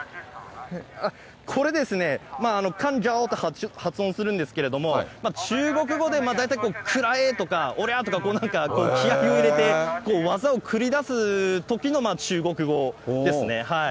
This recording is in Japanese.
これですね、カンギャオと発音するんですけれども、中国語で、大体食らえ！とかおりゃーとか、気合いを入れて、技を繰り出すときの中国語ですね。